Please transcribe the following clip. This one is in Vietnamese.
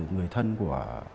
người thân của